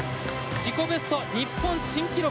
自己ベスト日本新記録